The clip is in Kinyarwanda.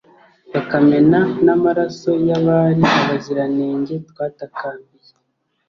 bakamena n'amaraso y'abari abaziranenge twatakambiye